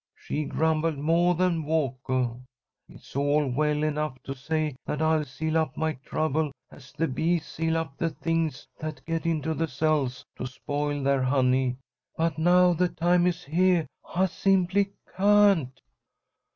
She grumbled moah than Walkah. It's all well enough to say that I'll seal up my troubles as the bees seal up the things that get into the cells to spoil their honey, but now the time is heah, I simply can't!"